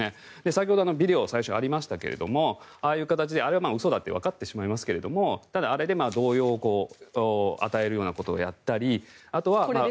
先ほどビデオ最初にありましたけどああいう形であれは嘘だってわかってしまいますがあれで動揺を与えるようなことをやったり。